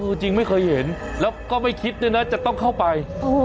จริงไม่เคยเห็นแล้วก็ไม่คิดด้วยนะจะต้องเข้าไป